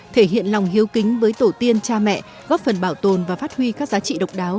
thể hiện lòng hiếu kính với tổ tiên cha mẹ góp phần bảo tồn và phát huy các giá trị độc đáo